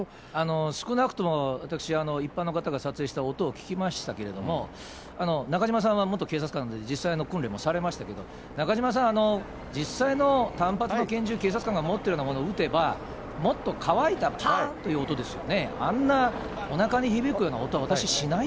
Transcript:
少なくとも私は、一般の方が撮影した音を聞きましたけど、中島さんは元警察官で、実際の訓練もされましたけれども、中島さん、実際の単発の拳銃、警察官が持っているようなものを撃てば、もっと乾いたぱんっていう音ですよね。